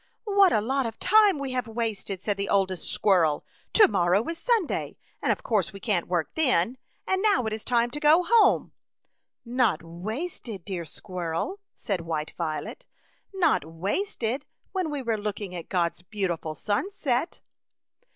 " What a lot of time we have wasted/' said the oldest squirrel ;" to morrow is Sunday, and of course we can't work then, and now it is time to go home/' " Not wasted, dear squirrel,'' said White Violet, '' not wasted when we were looking at God's beautiful sun set."